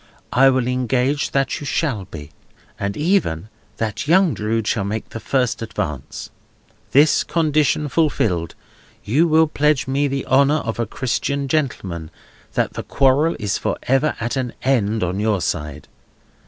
I will engage that you shall be, and even that young Drood shall make the first advance. This condition fulfilled, you will pledge me the honour of a Christian gentleman that the quarrel is for ever at an end on your side.